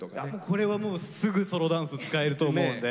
これはもうすぐソロダンス使えると思うんで。